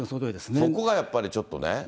そこがやっぱりちょっとね。